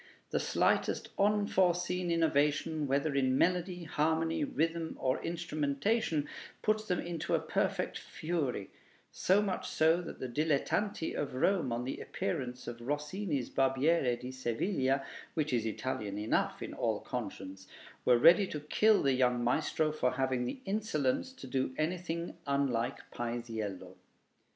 The slightest unforeseen innovation, whether in melody, harmony, rhythm, or instrumentation, puts them into a perfect fury; so much so, that the dilettanti of Rome, on the appearance of Rossini's 'Barbiere di Seviglia' (which is Italian enough in all conscience), were ready to kill the young maestro for having the insolence to do anything unlike Paisiello.